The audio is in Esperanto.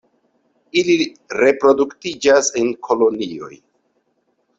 Ili reproduktiĝas en kolonioj.